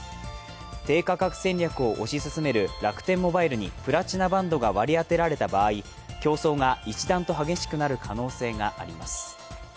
低価格戦略を推し進める楽天モバイルにプラチナバンドが割り当てられた場合、競争が一段と激しくなる可能性があります。